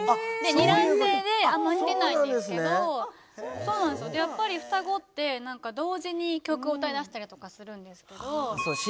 二卵性であんま似てないんですけどやっぱり双子って何か同時に曲を歌いだしたりとかするんですけど。